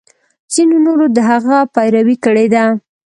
ځینو نورو د هغه پیروي کړې ده.